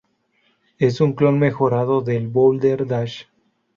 Es un clon mejorado del Boulder Dash.